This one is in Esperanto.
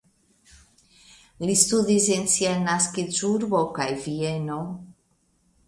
Li studis en sia naskiĝurbo kaj Vieno.